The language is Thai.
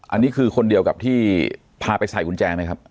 อันนี้คือคนเดียวกับที่พาไปใส่กุญแจไหมครับ